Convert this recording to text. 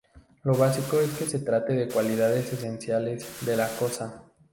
Lo básico es que se trate de cualidades esenciales de la cosa.